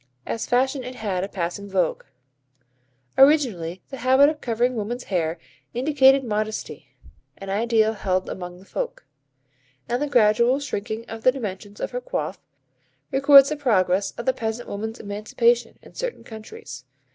As fashion it had a passing vogue. Originally, the habit of covering woman's hair indicated modesty (an idea held among the Folk), and the gradual shrinking of the dimensions of her coif, records the progress of the peasant woman's emancipation, in certain countries.